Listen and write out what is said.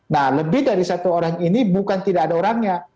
nah lebih dari satu orang ini bukan tidak ada orangnya